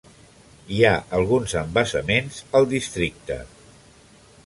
Hi ha alguns embassaments al districte.